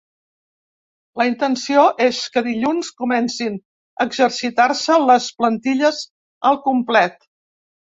La intenció és que dilluns comencin a exercitar-se les plantilles al complet.